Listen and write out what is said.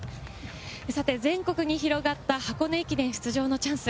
さて、全国に広がった箱根駅伝出場のチャンス。